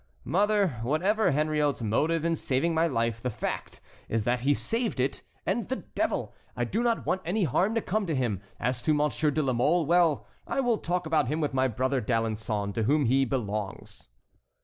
"Mother, whatever Henriot's motive in saving my life, the fact is that he saved it, and, the devil! I do not want any harm to come to him. As to Monsieur de la Mole, well, I will talk about him with my brother D'Alençon, to whom he belongs."